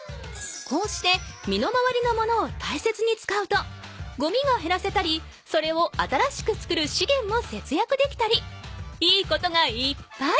こうして身の回りの物を大切に使うとごみがへらせたりそれを新しく作るしげんもせつやくできたりいいことがいっぱい！